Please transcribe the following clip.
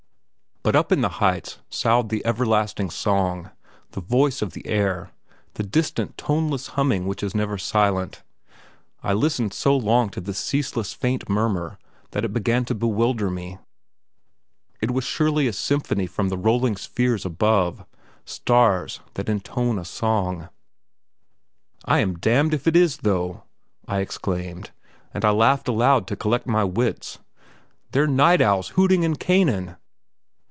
But up in the heights soughed the everlasting song, the voice of the air, the distant, toneless humming which is never silent. I listened so long to this ceaseless faint murmur that it began to bewilder me; it was surely a symphony from the rolling spheres above. Stars that intone a song.... "I am damned if it is, though," I exclaimed; and I laughed aloud to collect my wits. "They're night owls hooting in Canaan!"